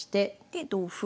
で同歩。